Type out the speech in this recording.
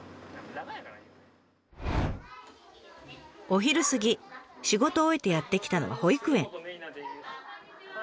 お昼過ぎ仕事を終えてやって来たのは保育園。